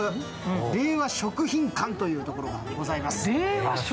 令和食品館というところがございます。